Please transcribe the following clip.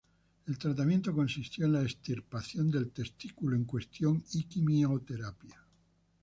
El tratamiento consistió en la extirpación del testículo en cuestión y quimioterapia.